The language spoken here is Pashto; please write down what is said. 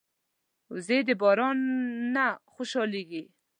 وزې د باران نه خوشحالېږي